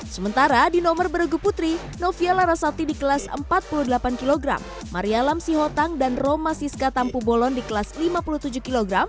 sementara di nomor beregu putri novia larasati di kelas empat puluh delapan kg maria lamsihotang dan roma siska tampu bolon di kelas lima puluh tujuh kg